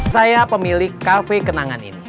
saya pemilik kafe kenangan ini